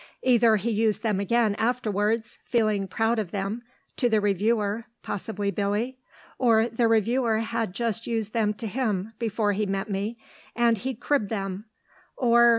Either he used them again afterwards, feeling proud of them, to the reviewer (possibly Billy?) or the reviewer had just used them to him before he met me, and he cribbed them, or....